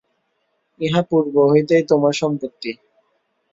ইহা পূর্ব হইতেই তোমার সম্পত্তি।